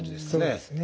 そうですね。